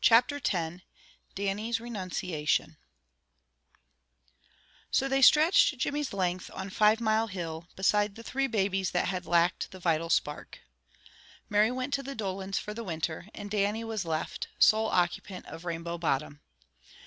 Chapter X DANNIE'S RENUNCIATION So they stretched Jimmy's length on Five Mile Hill beside the three babies that had lacked the "vital spark." Mary went to the Dolans for the winter and Dannie was left, sole occupant of Rainbow Bottom.